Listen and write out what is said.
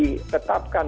tidak bisa ditetapkan